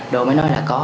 đô mới nói là